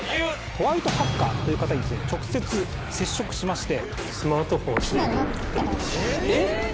ホワイトハッカーという方に直接接触しまして。